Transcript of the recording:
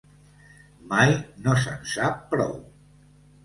Mai no se'n sap prou.